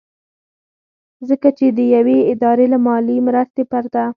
ځکه چې د يوې ادارې له مالي مرستې پرته